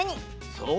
そう！